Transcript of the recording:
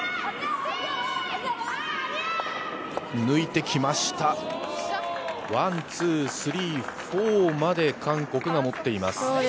抜いてきました、ワン、ツー、スリー、フォーまで韓国が持っています。